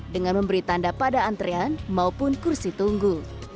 dengan memberi tanda pada antrean maupun kursi tunggu